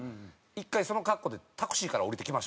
１回その格好でタクシーから降りてきましたからね。